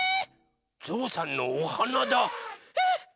ぞうさんのおはなだ！